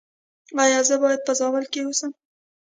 ایا زه باید په زابل کې اوسم؟